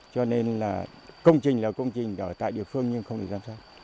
cho nên là công trình là công trình ở tại địa phương nhưng không được giám sát